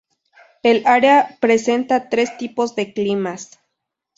El área presenta tres tipos de climas.